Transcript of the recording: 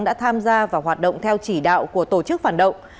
đã tham gia vào hoạt động theo chỉ đạo của tổ chức phản động